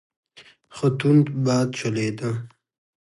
ښه تند باد چلیده.